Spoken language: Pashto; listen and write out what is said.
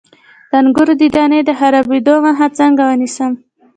د انګورو د دانې د خرابیدو مخه څنګه ونیسم؟